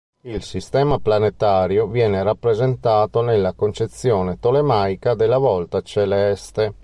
Il sistema planetario viene rappresentato nella concezione tolemaica della volta celeste.